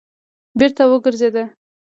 بېرته وګرځېد.